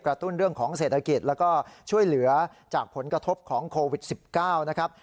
ตุ้นเรื่องของเศรษฐกิจแล้วก็ช่วยเหลือจากผลกระทบของโควิด๑๙นะครับ